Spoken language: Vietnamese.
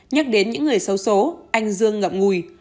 nhắc đến những người xấu xố anh dương ngậm ngùi